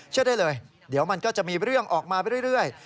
เชื่อได้เลยเดี๋ยวมันก็จะมีเรื่องออกมาไปเรื่อย